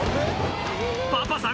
パパさん